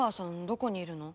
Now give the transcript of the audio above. どこにいるの？